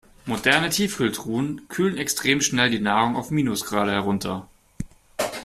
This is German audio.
Moderne Tiefkühltruhen kühlen extrem schnell die Nahrung auf Minusgrade herunter.